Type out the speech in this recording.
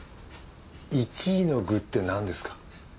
１位の具って何ですか？